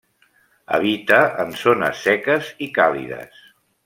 Habita en zones seques i càlides.